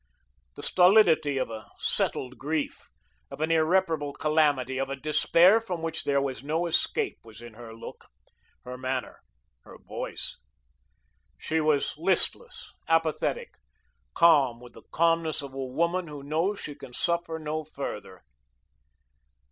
The stolidity of a settled grief, of an irreparable calamity, of a despair from which there was no escape was in her look, her manner, her voice. She was listless, apathetic, calm with the calmness of a woman who knows she can suffer no further.